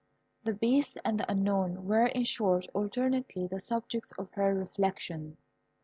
The Beast and the Unknown were, in short, alternately the subjects of her reflections.